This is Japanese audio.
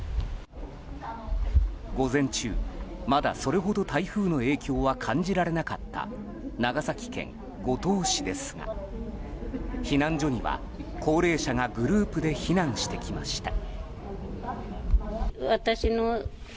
午前中、まだそれほど台風の影響は感じられなかった長崎県五島市ですが、避難所には高齢者がグループで避難してきました。